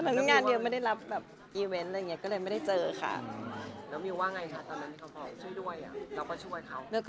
ก็พักหนึ่งแล้วเนอะก็ตั้งแต่รูปนั้นที่มีข่าวอะเนอะ